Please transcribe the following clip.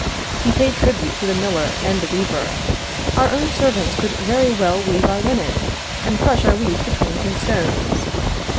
He paid tribute to the miller and the weaver; our own servants could very well weave our linen, and crush our wheat between two stones.